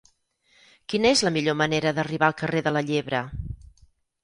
Quina és la millor manera d'arribar al carrer de la Llebre?